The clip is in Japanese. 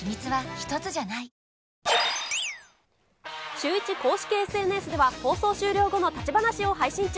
シューイチ公式ＳＮＳでは、放送終了後の立ち話を配信中。